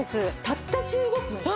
たった１５分。